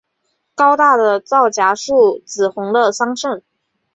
高大的皂荚树，紫红的桑葚